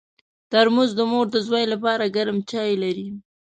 ترموز د مور د زوی لپاره ګرم چای لري.